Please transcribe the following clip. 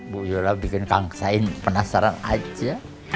bu yola bikin kang sain penasaran aja